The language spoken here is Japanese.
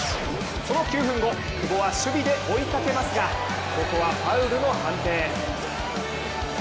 その９分後、久保は守備で追いかけますが、ここはファウルの判定。